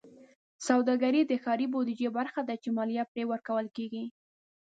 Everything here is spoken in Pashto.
سوداګرۍ د ښاري بودیجې برخه ده چې مالیه پرې ورکول کېږي.